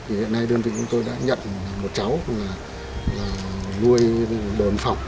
hiện nay đơn vị của tôi đã nhận một cháu nuôi đồn biên phòng